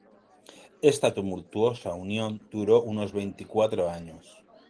Esta tumultuosa unión duró unos veinticuatro años.